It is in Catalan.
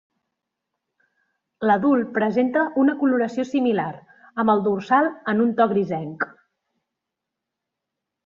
L'adult presenta una coloració similar, amb el dorsal en un to grisenc.